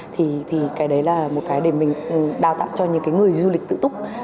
thì cái đấy là một cái để mình đào tạo cho những người du lịch tự tốt